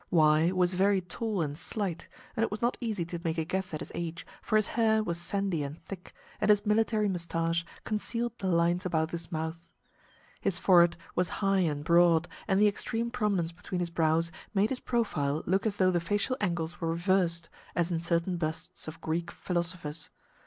Y was very tall and slight, and it was not easy to make a guess at his age, for his hair was sandy and thick, and his military moustache concealed the lines about his mouth. His forehead was high and broad, and the extreme prominence between his brows made his profile look as though the facial angles were reversed, as in certain busts of Greek philosophers.